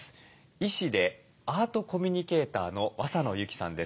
医師でアートコミュニケーターの和佐野有紀さんです。